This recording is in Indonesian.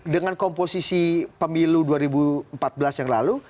dengan komposisi pemilu dua ribu empat belas yang lalu